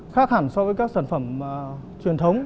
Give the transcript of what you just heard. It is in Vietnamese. khác hẳn so với các sản phẩm truyền thống